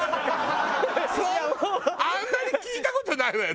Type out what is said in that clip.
あんまり聞いた事ないわよ。